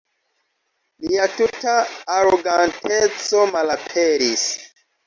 Lia tuta aroganteco malaperis.